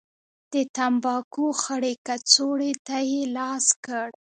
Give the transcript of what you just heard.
د تنباکو خړې کڅوړې ته يې لاس کړ.